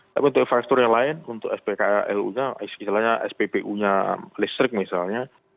tapi untuk investor yang lain untuk spklu nya misalnya sppu nya listrik misalnya